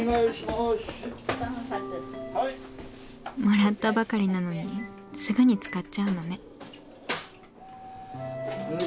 もらったばかりなのにすぐに使っちゃうのね。